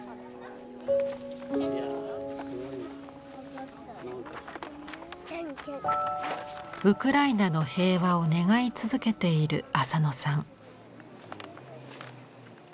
でもウクライナの平和を願い続けている浅野さん。